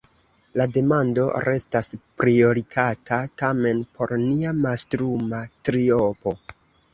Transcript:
La demando restas prioritata, tamen, por nia mastruma triopo.